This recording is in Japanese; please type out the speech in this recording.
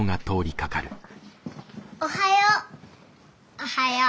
おはよう。